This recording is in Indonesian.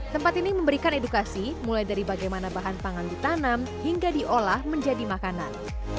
tempat ini memberikan edukasi mulai dari bagaimana bahan pangan ditanam hingga diolah menjadi makanan